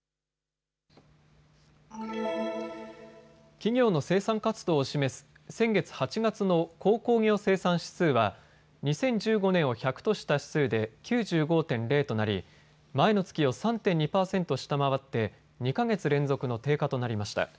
企業の生産活動を示す先月８月の鉱工業生産指数は２０１５年を１００とした指数で９５．０となり、前の月を３．２％下回って２か月連続の低下となりました。